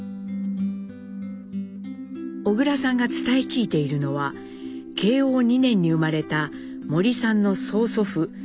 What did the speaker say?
小倉さんが伝え聞いているのは慶応２年に生まれた森さんの曽祖父森内才